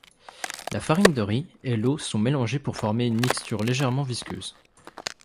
La farine de riz et l'eau sont mélangées pour former une mixture légèrement visqueuse.